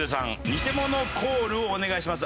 ニセモノコールをお願いします。